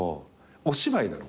お芝居なの？